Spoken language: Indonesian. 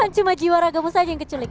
cuma jiwa ragamu saja yang keculik